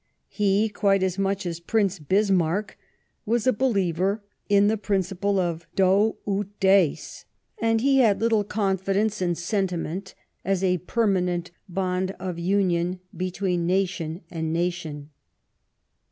He, quite as much as Prince Bis marck, was a believer in the principle of do ut des, and he had little confidence in sentiment as a permanent bond of union between nation and nation.